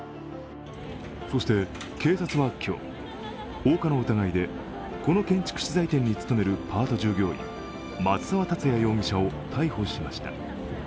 そして警察は今日、放火の疑いでこの建築資材店に勤めるパート従業員・松沢達也容疑者を逮捕しました。